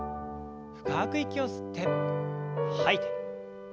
深く息を吸って吐いて。